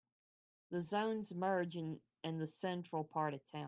The zones merge in the central part of town.